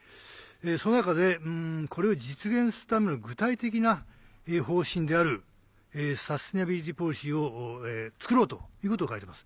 その中でこれを実現するための具体的な方針であるサステナビリティポリシーを作ろうということを書いてます。